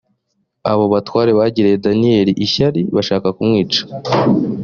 abo batware bagiriye daniyeli ishyari bashaka kumwicisha